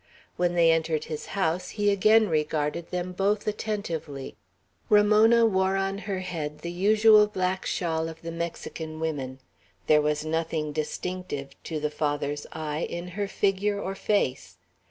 When they entered his house, he again regarded them both attentively. Ramona wore on her head the usual black shawl of the Mexican women. There was nothing distinctive, to the Father's eye, in her figure or face.